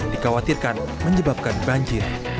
dikhawatirkan menyebabkan banjir